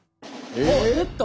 あっ減った！